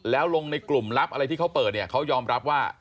แล้วลงในกลุ่มลับอะไรที่เขาเปิดเนี่ยเขายอมรับว่า